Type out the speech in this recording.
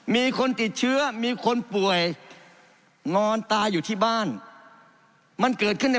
มีคนติดเชื้อมีคนป่วยนอนตายอยู่ที่บ้านมันเกิดขึ้นใน